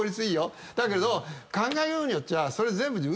だけど考えようによっちゃそれ。